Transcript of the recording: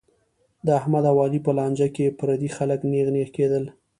د احمد او علي په لانجه کې پردي خلک نېغ نېغ کېدل.